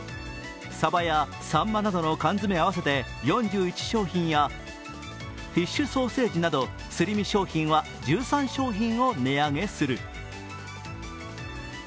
さばやさんまなどの缶詰合わせて４１商品やフィッシュソーセージなどすり身商品は１３商品を値上げする。